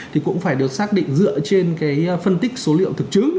thì cũng phải được xác định dựa trên cái phân tích số liệu thực chứng